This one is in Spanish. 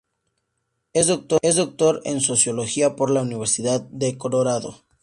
Es doctor en sociología por la Universidad de Colorado.